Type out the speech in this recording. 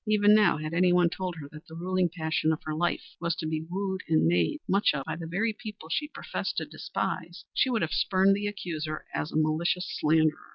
Even now had anyone told her that the ruling passion of her life was to be wooed and made much of by the very people she professed to despise, she would have spurned the accuser as a malicious slanderer.